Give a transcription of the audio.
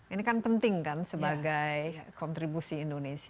ini kan penting kan sebagai kontribusi indonesia